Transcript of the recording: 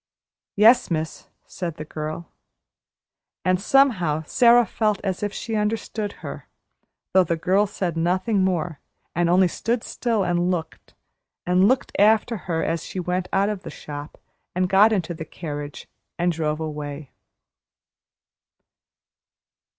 "Yes, miss," said the girl. And somehow Sara felt as if she understood her, though the girl said nothing more, and only stood still and looked, and looked after her as she went out of the shop and got into the carriage and drove away.